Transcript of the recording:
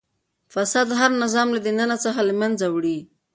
فساد هر نظام له دننه څخه له منځه وړي.